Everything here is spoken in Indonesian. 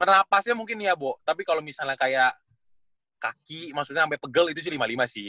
penapasnya mungkin iya bo tapi kalau misalnya kayak kaki maksudnya sampai pegel itu sih lima x lima sih